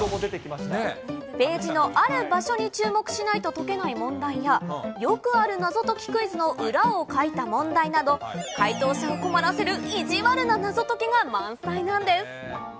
ページのある場所に注目しないと解けない問題や、よくある謎解きクイズの裏をかいた問題など、解答者を困らせる意地悪な謎解きが満載なんです。